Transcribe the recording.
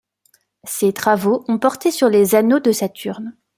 Ses travaux ont porté sur les anneaux de Saturne.